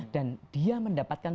dan dia mendapatkan